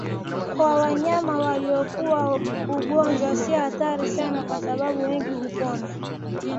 Kwa wanyama waliokua ugonjwa si hatari sana kwa sababu wengi hupona